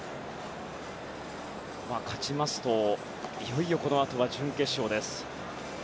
勝ちますといよいよこのあとは準決勝です。